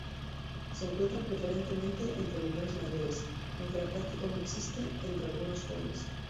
Se encuentra preferentemente entre mujeres mayores, aunque la práctica aún existe entre algunas jóvenes.